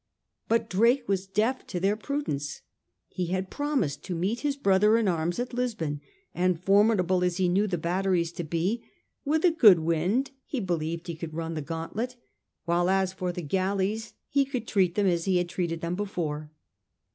But Drake was deaf to their prudence. He had promised to meet his brother in arms at Lisbon, and formidable as he knew the batteries to be, with a good wind he believed he could run the gauntlet ; while as for the galleys he could treat them as he had treated them before.